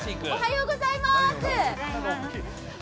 おはようございます。